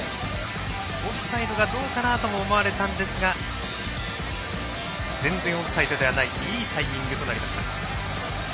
オフサイドがどうかなとも思われたんですが全然オフサイドではないいいタイミングとなりました。